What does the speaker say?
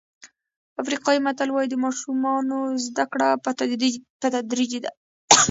افریقایي متل وایي د ماشومانو زده کړه په تدریج ده.